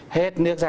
hết nước ra